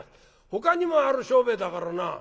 「ほかにもある商売だからな。